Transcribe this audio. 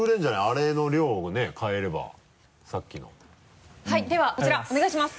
あれの量をね変えればさっきのはいではこちらお願いします。